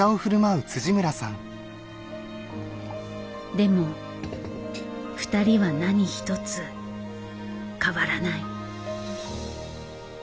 でもふたりは何一つ変わらない。